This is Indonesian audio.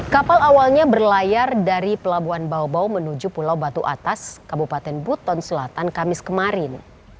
kapal awalnya berlayar dari pelabuhan bau bau menuju pulau batu atas kabupaten buton selatan kamis kemarin